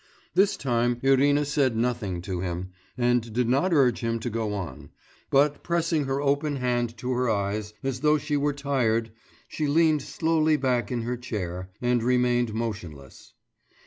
This time Irina said nothing to him, and did not urge him to go on, but pressing her open hand to her eyes, as though she were tired, she leaned slowly back in her chair, and remained motionless.